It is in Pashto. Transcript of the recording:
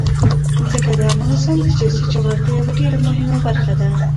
ځمکه د افغانستان د سیاسي جغرافیه یوه ډېره مهمه برخه ده.